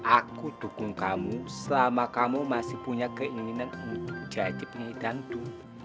aku dukung kamu selama kamu masih punya keinginan untuk jadi penyanyi tandu